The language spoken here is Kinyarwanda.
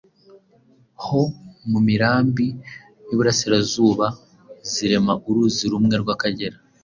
ho mu mirambi y’iBurasirazuba zirema uruzi rumwe rw’Akagera.